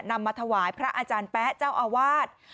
มาถวายพระอาจารย์แป๊ะเจ้าอาวาส